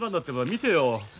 見てよ。